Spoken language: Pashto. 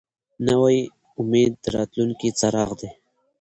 نوی امید د راتلونکي څراغ دی